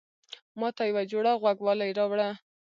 ماته يوه جوړه غوږوالۍ راوړه